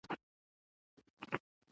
ایا زه باید ستنې ولګوم؟